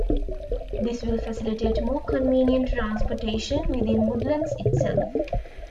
This will facilitate more convenient transportation within Woodlands itself.